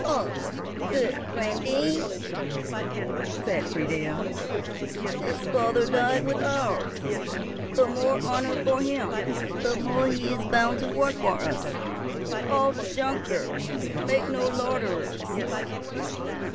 "Ah! good grandame," said Friedel, "his father died with ours." "The more honour for him! The more he is bound to work for us. Off, junker, make no loiterers."